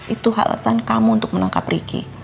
itu alasan kamu untuk menangkap ricky